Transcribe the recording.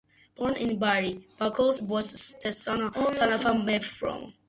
Born in Bari, Boccasile was the son of a perfumer.